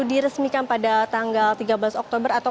diresmikan pada tanggal tiga belas oktober atau